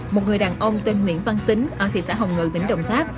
một người đàn ông tên nguyễn văn tính ở thị xã hồng ngự tỉnh đồng tháp